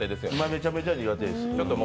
めちゃめちゃ苦手です